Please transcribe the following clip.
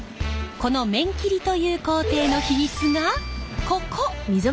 この麺切りという工程の秘密がここ！